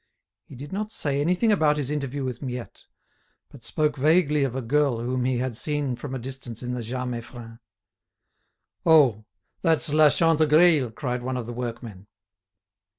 He did not say anything about his interview with Miette; but spoke vaguely of a girl whom he had seen from a distance in the Jas Meiffren. "Oh! that's La Chantegreil!" cried one of the workmen.